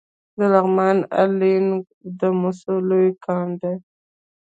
د لغمان عينک د مسو لوی کان دی